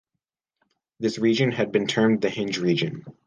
This region has been termed the hinge region.